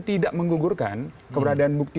tidak menggugurkan keberadaan bukti